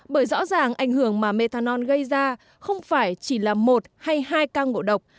bởi rõ ràng ảnh hưởng mà methanol gây ra không phải chỉ là một hay hai ca ngộ độc